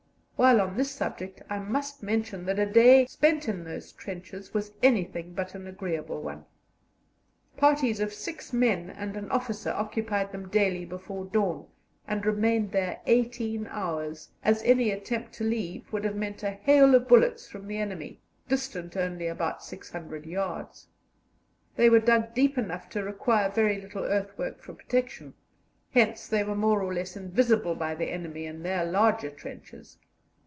While on this subject, I must mention that a day spent in those trenches was anything but an agreeable one. Parties of six men and an officer occupied them daily before dawn, and remained there eighteen hours, as any attempt to leave would have meant a hail of bullets from the enemy, distant only about 600 yards. They were dug deep enough to require very little earthwork for protection; hence they were more or less invisible by the enemy in their larger trenches.